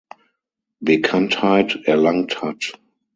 Bekanntheit erlangt hat.